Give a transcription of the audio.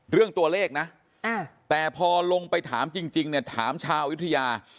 เรื่องตัวเลขนะแต่พอลงไปถามจริงเนี่ยถามชาวอยุธยา